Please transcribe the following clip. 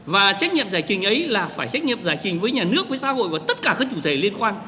và trách nhiệm giải trình ấy là phải trách nhiệm giải trình với nhà nước với xã hội và tất cả các chủ thể liên quan